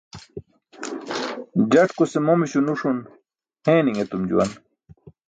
Jatkuse momiśo nuṣun heeni̇ṅ etum juwan.